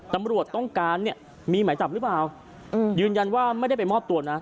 ตำรวจต้องการเนี่ยมีหมายจับหรือเปล่ายืนยันว่าไม่ได้ไปมอบตัวนะ